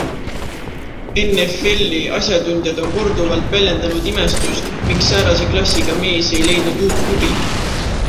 NFLi asjatundjad on korduvalt väljendanud imestust, miks säärase klassiga mees ei leidnud uut klubi.